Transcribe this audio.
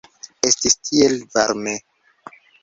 Estis tiel varme.